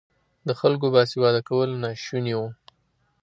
د خلکو باسواده کول ناشوني وو.